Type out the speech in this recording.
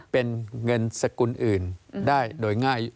เป็นเงินสกุลอื่นได้โดยง่าย